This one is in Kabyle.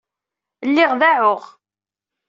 Lliɣ deɛɛuɣ.